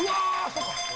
そうか。